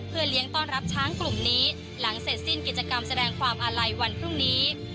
เลี้ยงต้อนรับช้างกลุ่มนี้หลังเสร็จสิ้นกิจกรรมแสดงความอาลัยวันพรุ่งนี้